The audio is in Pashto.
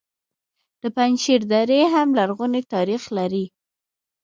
د پنجشیر درې هم لرغونی تاریخ لري